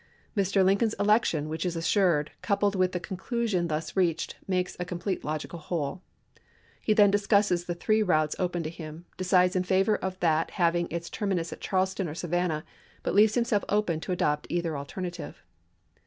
... Mr. Lincoln's election, which is assured, coupled with the conclusion thus reached, makes a complete Report logical whole." He then discusses the three routes 0n°cSJducet open to him, decides in favor of that having its ^lwtSi™' terminus at Charleston or Savannah, but leaves St?" himself open to adopt either alternative.